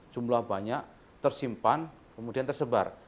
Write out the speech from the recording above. jumlah banyak tersimpan kemudian tersebar